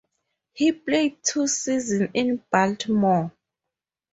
He played two seasons in Baltimore.